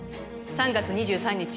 ３月２３日